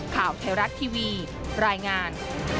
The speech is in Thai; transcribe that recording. ข่าวไทยรัฐทีวีรายงาน